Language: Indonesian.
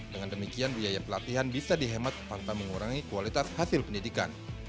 dengan demikian biaya pelatihan bisa dihemat tanpa mengurangi kualitas hasil pendidikan